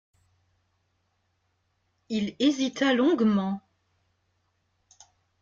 Il hésita longuement.